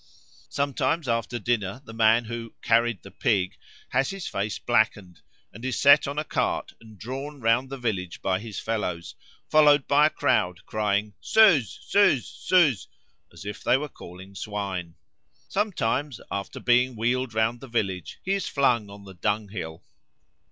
Sometimes after dinner the man who "carried the Pig" has his face blackened, and is set on a cart and drawn round the village by his fellows, followed by a crowd crying "Süz, süz, süz !" as if they were calling swine. Sometimes, after being wheeled round the village, he is flung on the dunghill.